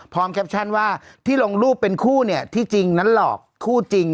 แคปชั่นว่าที่ลงรูปเป็นคู่เนี่ยที่จริงนั้นหลอกคู่จริง